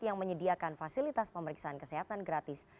yang menyediakan fasilitas pemeriksaan kesehatan gratis